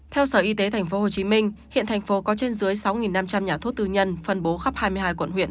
theo sở y tế tp hcm hiện thành phố có trên dưới sáu năm trăm linh nhà thuốc tư nhân phân bố khắp hai mươi hai quận huyện